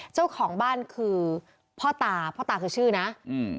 เจ้าของบ้านคือพ่อตาพ่อตาคือชื่อนะอืม